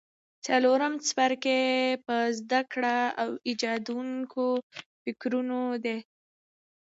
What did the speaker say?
څلورم څپرکی په زده کړه او ایجادوونکو فکرونو دی.